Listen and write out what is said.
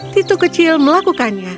titu kecil melakukannya